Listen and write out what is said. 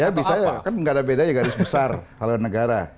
ya di saya kan nggak ada bedanya garis besar kalau negara